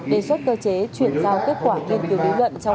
đề xuất cơ chế chuyển giao kết quả nghiên cứu lý luận trong công an nhân dân